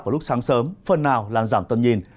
vào lúc sáng sớm phần nào là giảm tâm nhìn